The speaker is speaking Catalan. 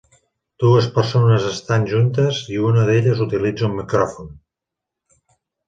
Dues persones estan juntes i una d'elles utilitza un micròfon.